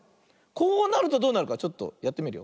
こうなるとどうなるかちょっとやってみるよ。